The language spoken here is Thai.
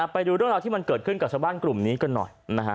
ไปดูเรื่องราวที่มันเกิดขึ้นกับชาวบ้านกลุ่มนี้กันหน่อยนะฮะ